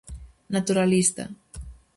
Naturalista.